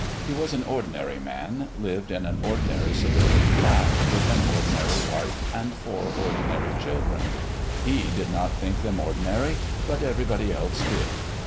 He was an ordinary man, lived in an ordinary suburban flat, with an ordinary wife and four ordinary children. He did not think them ordinary, but everybody else did.